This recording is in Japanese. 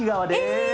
え！